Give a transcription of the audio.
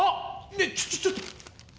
ねえちょちょちょっと。